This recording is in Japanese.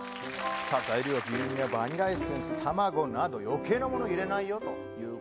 材料牛乳バニラエッセンス卵など余計なもの入れないよという